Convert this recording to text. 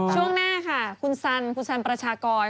ช่วงหน้าค่ะคุณสันคุณสันประชากร